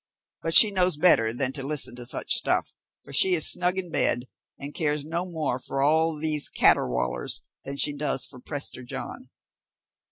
But she knows better than to listen to such stuff, for she is snug in bed, and cares no more for all these caterwaulers than she does for Prester John.